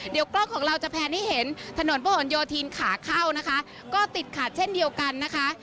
เดี๋ยวกล้องของเราจะแพลนให้เห็นถนนพระหลโยธินขาเข้านะคะก็ติดขัดเช่นเดียวกันนะคะ